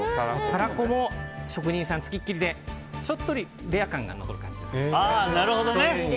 タラコも職人さんつきっきりでちょっとレア感が残る感じ。